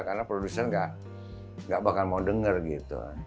karena produser gak bahkan mau denger gitu